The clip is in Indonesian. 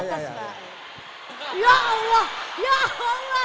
ya allah ya allah